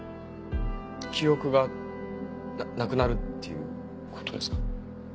記憶がなくなるっていうことですか？